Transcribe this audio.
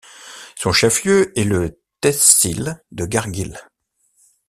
Son chef-lieu est le tehsil de Kargil.